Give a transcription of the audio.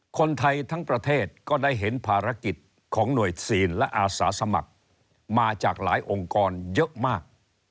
คนไทยทั้งประเทศก็ได้เห็นภารกิจของหน่วยซีนและอาสาสมัครมาจากหลายองค์กรเยอะมาก